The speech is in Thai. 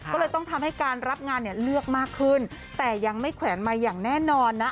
ก็เลยต้องทำให้การรับงานเนี่ยเลือกมากขึ้นแต่ยังไม่แขวนมาอย่างแน่นอนนะ